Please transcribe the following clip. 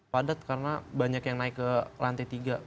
padat karena banyak yang naik ke lantai tiga